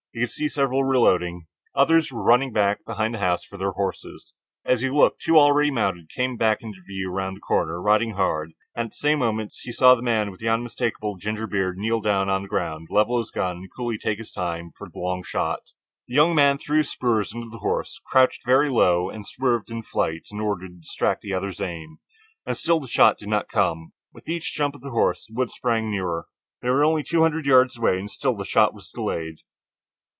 He could see several reloading. Others were running back behind the house for their horses. As he looked, two already mounted, came back into view around the corner, riding hard. And at the same moment, he saw the man with the unmistakable ginger beard kneel down on the ground, level his gun, and coolly take his time for the long shot. The young man threw his spurs into the horse, crouched very low, and swerved in his flight in order to distract the other's aim. And still the shot did not come. With each jump of the horse, the woods sprang nearer. They were only two hundred yards away and still the shot was delayed.